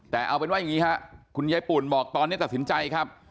แต่เอาเป็นว่าอย่างนี้ครับคุณยายปุ่นบอกตอนนี้ตัดสินใจครับ